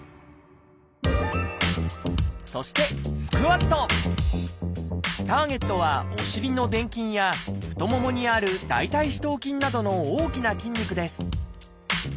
そしてターゲットはお尻の殿筋や太ももにある大腿四頭筋などの大きな筋肉です。